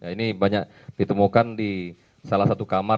ini banyak ditemukan di salah satu kamar